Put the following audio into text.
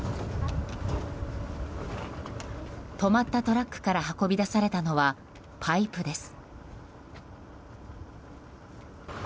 止まったトラックから運び出されたのは、パイプです。